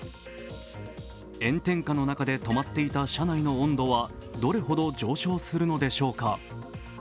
炎天下の中で止まっていた車内の温度はどれほど上昇するのでしょうか。